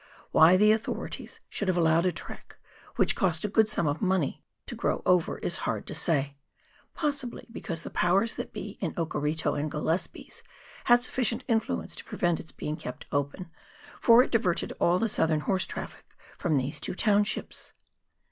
Why the authorities should have allowed a track, which cost a good sum of money, to grow over, is hard to say ; possibly because the powers that be in Okarito and Gillespies had sufficient influence to prevent its being kept open, for it diverted all the southern horse traffic from these two " to"WTiships."